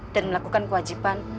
dan melakukan kewajiban